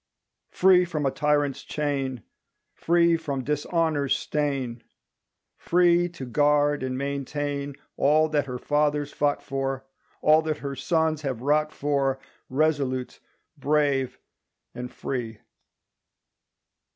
Free from a tyrant's chain, Free from dishonor's stain, Free to guard and maintain All that her fathers fought for, All that her sons have wrought for, Resolute, brave, and free!